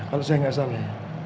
kalau saya nggak salah